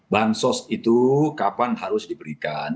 bank sos itu kapan harus diberikan